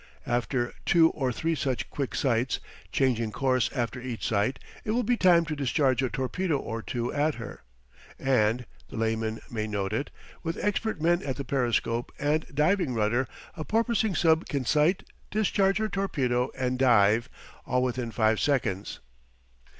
After two or three such quick sights, changing course after each sight, it will be time to discharge a torpedo or two at her. And the layman may note it with expert men at the periscope and diving rudder, a porpoising sub can sight, discharge her torpedo, and dive all within five seconds.